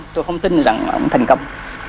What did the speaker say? tôi không tin rằng ông thành công